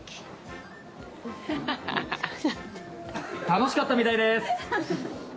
楽しかったみたいです。